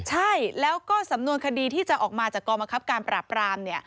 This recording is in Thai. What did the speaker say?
ใช่แล้วก็สำนวนคดีที่จะออกมาจากกองบังคับการปราบราม